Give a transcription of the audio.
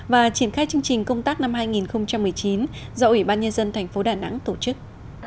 và triển khai chương trình công tác năm hai nghìn một mươi chín do ủy ban nhân dân thành phố đà nẵng tổ chức